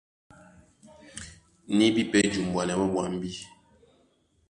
Ní bí pɛ́ jumbanɛ mɔ́ ɓwambí.